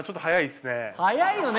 早いよね！？